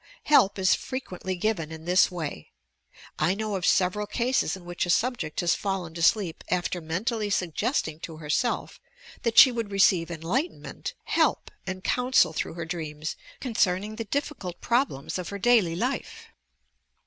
Help is frequently given in this way. I know of several cases in which a subject has fallen to sleep after mentally sugpesting to herself that she would receive enlightenment, help and counsel through her dreams concerning the diffiouU problems of her daily life.